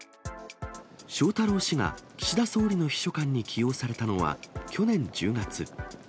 翔太郎氏が岸田総理の秘書官に起用されたのは去年１０月。